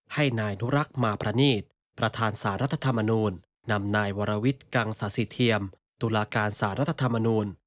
ให้นายอนุรักษ์มาประนีตประธานสารรัฐธรรมนูลนำนายวรวิทย์กังศาสิเทียมตุลาการสารรัฐธรรมนูล